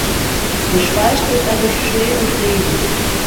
Gespeist wird er durch Schnee und Regen.